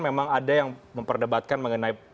memang ada yang memperdebatkan mengenai